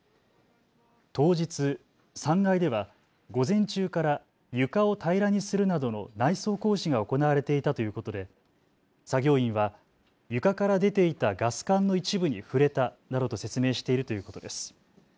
当日、３階では午前中から床を平らにするなどの内装工事が行われていたということで作業員は床から出ていたガス管の一部に触れたなどと説明しているということです。